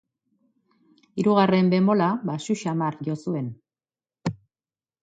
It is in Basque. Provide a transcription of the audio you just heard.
Hirugarren bemola baxu samar jo zuen.